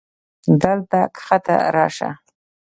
دلته کښته راسه.